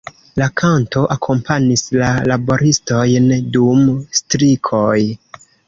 La kanto akompanis la laboristojn dum strikoj.